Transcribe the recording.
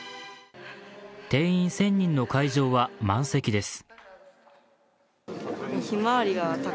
定員１０００人の会場は満席です。